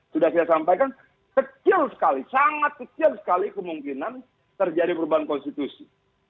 sudah saya sampaikan kecil sekali sangat kecil sekali kemungkinan terjadi perubahan konstitusi